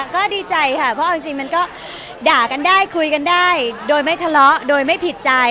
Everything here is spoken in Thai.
ก็ดีใจค่ะเพราะเอาจริงมันก็ด่ากันได้คุยกันได้โดยไม่ทะเลาะโดยไม่ผิดใจ